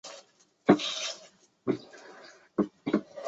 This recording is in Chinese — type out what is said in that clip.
燥原荠为十字花科燥原荠属下的一个种。